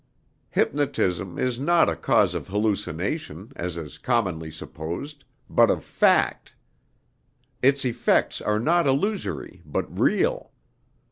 Hypnotism is not a cause of hallucination, as is commonly supposed, but of fact. Its effects are not illusory, but real.